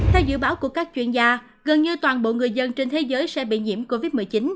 theo dự báo của các chuyên gia gần như toàn bộ người dân trên thế giới sẽ bị nhiễm covid một mươi chín